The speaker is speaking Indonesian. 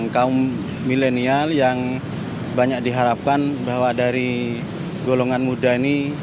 kaum milenial yang banyak diharapkan bahwa dari golongan muda ini